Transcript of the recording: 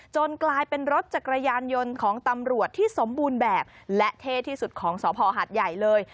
กลายเป็นรถจักรยานยนต์ของตำรวจที่สมบูรณ์แบบและเท่ที่สุดของสภหาดใหญ่เลย